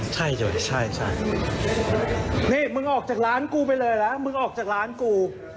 ใช่เดี๋ยวใช่นี่มึงออกจากร้านกูไปเลยนะมึงออกจากร้านกู